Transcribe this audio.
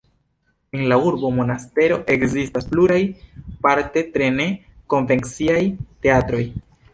En la urbo Monastero ekzistas pluraj, parte tre ne-konvenciaj, teatroj.